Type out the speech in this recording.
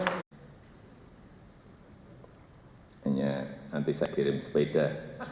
hanya nanti saya kirim sepeda